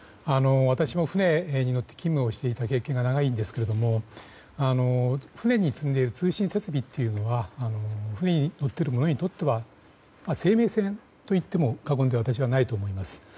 私も船に乗って勤務をしていた経験が長いんですが船に積んでいる通信設備というのは船に乗っている者にとっては生命線といっても過言ではないと私は思います。